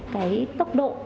cái tốc độ